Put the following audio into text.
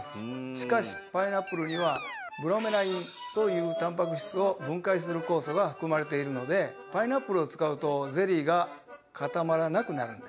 しかし、パイナップルにはブロメラインというタンパク質を分解する酵素が含まれているのでパイナップルを使うとゼリーが固まらなくなるんです。